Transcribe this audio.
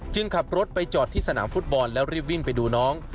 ขับรถไปจอดที่สนามฟุตบอลแล้วรีบวิ่งไปดูน้อง